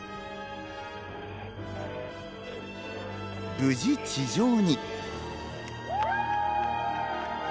無事、地上に。